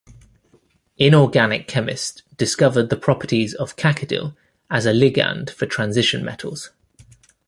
Inorganic chemists discovered the properties of cacodyl as a ligand for transition metals.